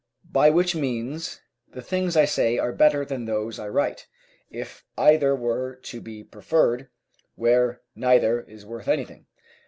By which means, the things I say are better than those I write, if either were to be preferred, where neither is worth anything.